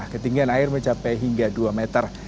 ketinggian air mencapai hingga dua meter